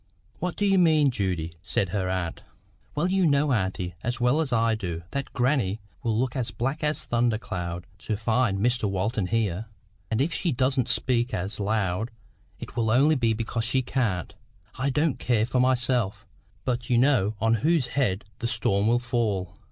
"What DO you mean, Judy?" said her aunt. "Well you know, auntie, as well as I do, that grannie will look as black as a thunder cloud to find Mr Walton here; and if she doesn't speak as loud, it will only be because she can't. I don't care for myself, but you know on whose head the storm will fall.